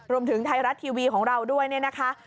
รวมถึงไทยรัฐทีวีของเราด้วยเนี่ยนะคะ